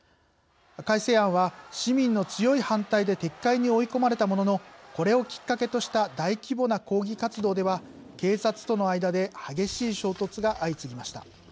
改正案は、市民の強い反対で撤回に追い込まれたもののこれをきっかけとした大規模な抗議活動では警察との間で激しい衝突が相次ぎました。